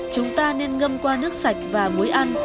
chúng ta nên ngâm qua nước sạch và muối ăn